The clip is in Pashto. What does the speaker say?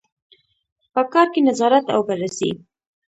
په کار کې نظارت او بررسي.